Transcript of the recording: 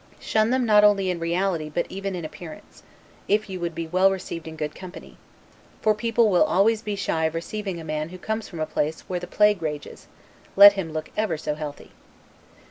Shun them not only in reality, but even in appearance, if you would be well received in good company; for people will always be shy of receiving a man who comes from a place where the plague rages, let him look ever so healthy.